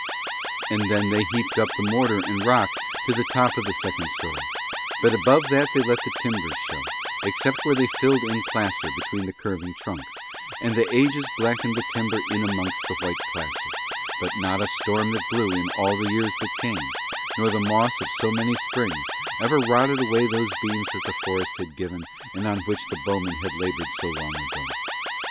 And then they heaped up the mortar and rock to the top of the second storey, but above that they let the timbers show, except where they filled in plaster between the curving trunks: and the ages blackened the timber in amongst the white plaster; but not a storm that blew in all the years that came, nor the moss of so many Springs, ever rotted away those beams that the forest had given and on which the bowmen had laboured so long ago.